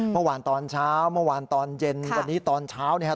เมื่อวานตอนเช้าเมื่อวานตอนเย็นวันนี้ตอนเช้านะครับ